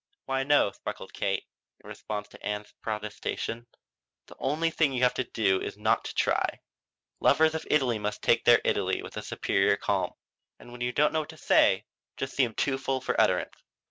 "Why no," sparkled Kate, in response to Ann's protestation, "the only thing you have to do is not to try. Lovers of Italy must take their Italy with a superior calm. And when you don't know what to say just seem too full for utterance.